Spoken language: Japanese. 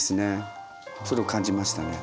それを感じましたね。